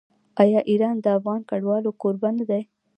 آیا ایران د افغان کډوالو کوربه نه دی؟